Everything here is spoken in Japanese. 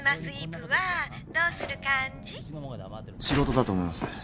仕事だと思います。